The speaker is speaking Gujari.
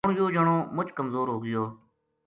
ہن یوہ جنو مُچ کمزور ہو گیو